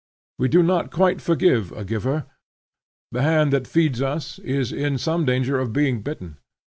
We do not quite forgive a giver. The hand that feeds us is in some danger of being bitten.